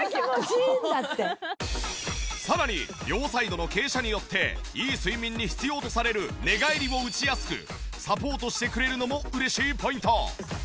さらに両サイドの傾斜によっていい睡眠に必要とされる寝返りを打ちやすくサポートしてくれるのも嬉しいポイント。